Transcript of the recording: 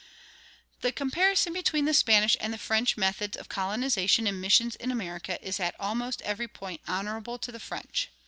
[19:1] The comparison between the Spanish and the French methods of colonization and missions in America is at almost every point honorable to the French.